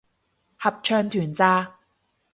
合唱團咋